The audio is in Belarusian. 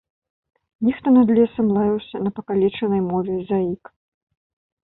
Нехта над лесам лаяўся на пакалечанай мове заік.